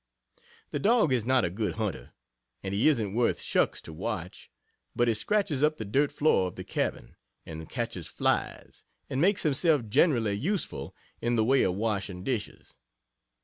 The dog is not a good hunter, and he isn't worth shucks to watch but he scratches up the dirt floor of the cabin, and catches flies, and makes himself generally useful in the way of washing dishes.